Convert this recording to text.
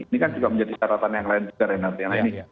ini kan juga menjadi syaratan yang lain juga renhtn